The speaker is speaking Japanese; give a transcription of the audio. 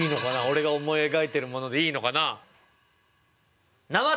俺が思い描いてるものでいいのかな。